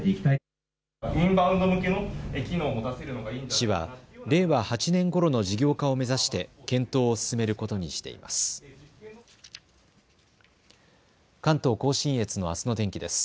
市は令和８年ごろの事業化を目指して検討を進めることにしています。